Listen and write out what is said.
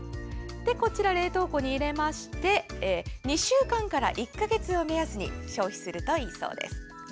こちら、冷凍庫に入れまして２週間から１か月を目安に消費するといいそうです。